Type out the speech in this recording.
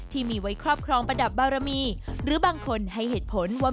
ที่มีไว้ครอบครองประดับบารมีหรือบางคนให้เหตุผลว่า